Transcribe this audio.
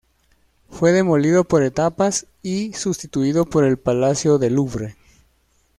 Fue demolido por etapas y sustituido por el Palacio del Louvre.